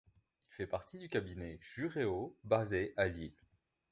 Il fait partie du cabinet Juréo basé à Lille.